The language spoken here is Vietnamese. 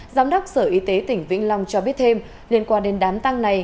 giám đốc sở y tế tỉnh vĩnh long cho biết thêm liên quan đến đám tăng này